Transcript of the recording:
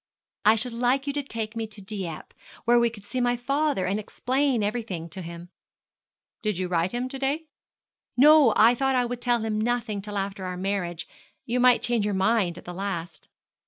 'I should like you to take me to Dieppe, where we could see my father, and explain everything to him.' 'Did you write to him to day?' 'No; I thought I would tell him nothing till after our marriage. You might change your mind at the last.'